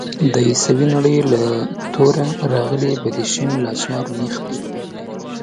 د عيسوي نړۍ له توړه راغلی بدېشم لا چهارمېخ دی.